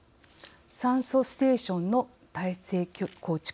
酸素ステーションの体制構築